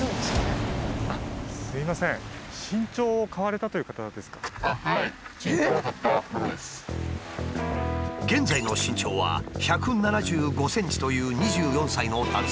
すいません現在の身長は１７５ｃｍという２４歳の男性。